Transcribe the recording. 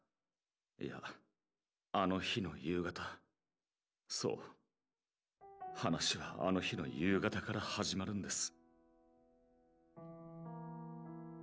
いやあの日の夕方そう話はあの日の夕方から始まるんです。